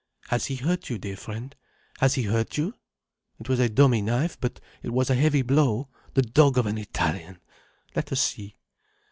Has he hurt you, dear friend? Has he hurt you? It was a dummy knife, but it was a heavy blow—the dog of an Italian. Let us see."